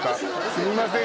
すいません